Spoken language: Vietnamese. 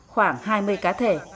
khoảng hai mươi cá thể